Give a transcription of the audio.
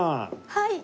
はい。